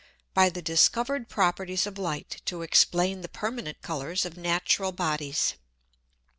V. _By the discovered Properties of Light to explain the permanent Colours of Natural Bodies.